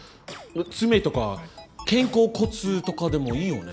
爪とか肩甲骨とかでもいいよね？